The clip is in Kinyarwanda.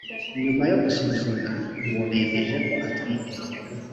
nyuma yo gusuzumwa uwo bemeje ko atwite